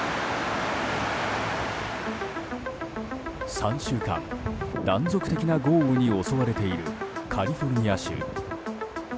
３週間断続的な豪雨に襲われているカリフォルニア州。